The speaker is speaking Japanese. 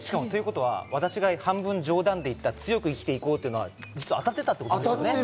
私が半分冗談で言った、強く生きて行こうっていうのは実は当たっていたってことですね。